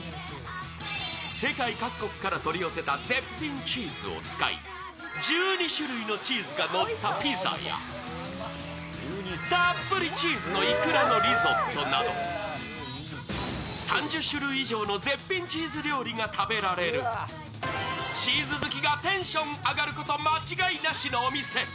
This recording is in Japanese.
世界各国から取り寄せた絶品チーズを使い１２種類のチーズがのったピザやたっぷりチーズのいくらのリゾットなど３０種類以上の絶品チーズ料理が食べられるチーズ好きがテンション上がること間違いなしのお店。